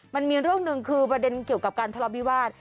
มันมีเรื่องหนึ่งคือประเด็นเกี่ยวกับการทะเลาะวิวาส